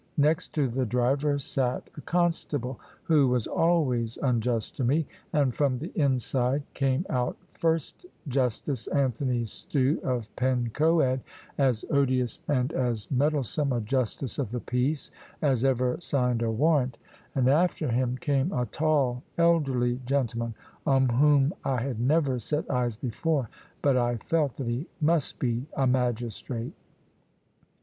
Next to the driver sat a constable who was always unjust to me; and from the inside came out first Justice Anthony Stew of Pen Coed, as odious and as meddlesome a justice of the peace as ever signed a warrant; and after him came a tall elderly gentleman, on whom I had never set eyes before, but I felt that he must be a magistrate.